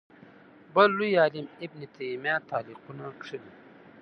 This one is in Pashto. بل لوی عالم ابن تیمیه تعلیقونه کښلي